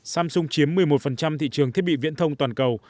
samsung chiếm một mươi một thị trường thiết bị viễn thông toàn cầu